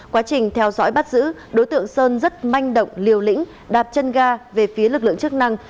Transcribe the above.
quá trình theo dõi bắt giữ đối tượng sơn rất manh động liều lĩnh đạp chân ga về phía lực lượng chức năng